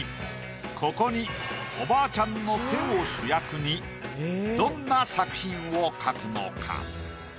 ここにおばあちゃんの手を主役にどんな作品を描くのか？